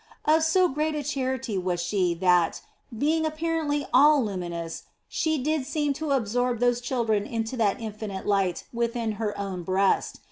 Of so great a charity was she, that being apparently all luminous she did seem to absorb those children into that infinite light within her own breast.